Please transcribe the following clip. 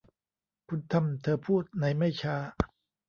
คุณทำเธอพูดในไม่ช้า